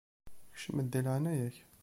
Kcem-d di leɛnaya-k.